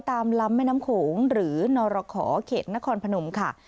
ตามลำแม่น้ำโขงหรือนรขอเขตนครพนมค่ะ